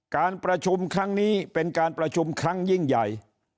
การประชุมครั้งนี้เป็นการประชุมครั้งยิ่งใหญ่